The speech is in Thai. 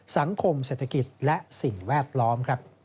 สังคมเศรษฐกิจและสิ่งแวดล้อมครับ